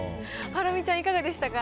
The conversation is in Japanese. ハラミちゃん、いかがでしたか。